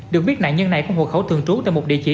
được biết nạn nhân này có hộ khẩu thường trú tại một địa chỉ